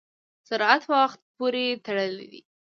سرعت په وخت پورې تړلی دی.